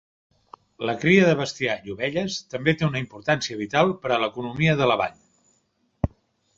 La cria de bestiar i ovelles també té una importància vital per a l'economia de la vall.